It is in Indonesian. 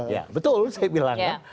ya betul saya bilang ya